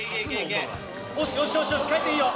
よしよしよしよし海人いいよ。